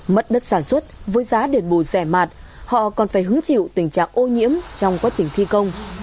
mất đất sản xuất với giá đền bù rẻ mạt họ còn phải hứng chịu tình trạng ô nhiễm trong quá trình thi công